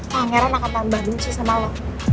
pangeran akan tambah benci sama lo